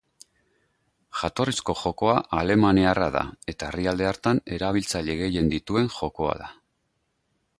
Jatorrizko jokoa alemaniarra da eta herrialde hartan erabiltzaile gehien dituen jokoa da.